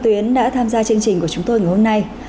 tuyến đã tham gia chương trình của chúng tôi ngày hôm nay